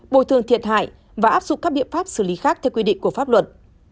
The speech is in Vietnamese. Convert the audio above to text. bồi thường thiệt hại và áp dụng các biện pháp xử lý khác theo quy định của pháp luật